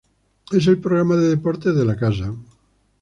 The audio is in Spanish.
Es el programa de deportes de la casa.